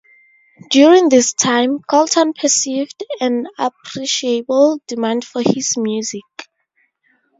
During this time, Colton perceived an appreciable demand for his music.